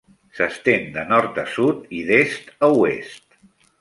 S'estén de nord a sud i d'est a oest.